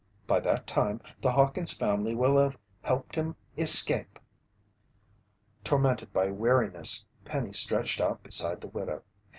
"By that time, the Hawkins' family will have helped him escape!" Tormented by weariness, Penny stretched out beside the widow.